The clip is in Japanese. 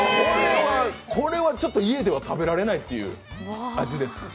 これはちょっと家では食べられないという味です。